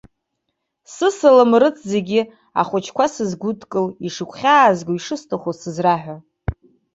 Сысалам рыҭ зегьы, ахәыҷқәа сызгәыдкыл, ишыгәхьаазго, ишысҭаху сызраҳәа.